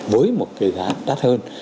với một cái giá đắt hơn